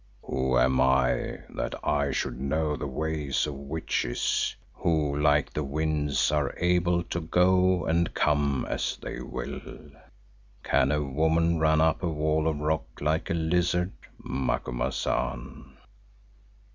"Who am I that I should know the ways of witches who, like the winds, are able to go and come as they will? Can a woman run up a wall of rock like a lizard, Macumazahn?"